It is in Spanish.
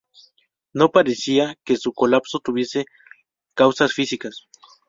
No parecía que su colapso tuviese causas físicas.